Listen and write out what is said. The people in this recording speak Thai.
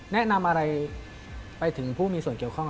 แนะนำอะไรไปถึงผู้มีส่วนเกี่ยวข้อง